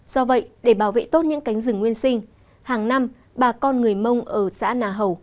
do vậy để bảo vệ tốt những cánh rừng nguyên sinh hàng năm bà con người mông ở xã nà hầu